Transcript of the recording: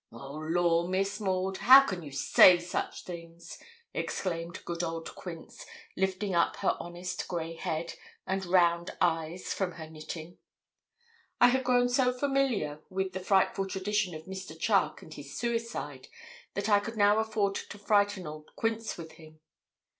'Oh, law, Miss Maud, how can you say such things!' exclaimed good old Quince, lifting up her honest grey head and round eyes from her knitting. I had grown so familiar with the frightful tradition of Mr. Charke and his suicide, that I could now afford to frighten old Quince with him.